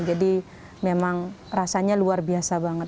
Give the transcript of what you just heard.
jadi memang rasanya luar biasa banget